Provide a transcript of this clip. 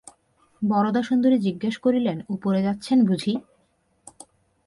বরদাসুন্দরী জিজ্ঞাসা করিলেন, উপরে যাচ্ছেন বুঝি?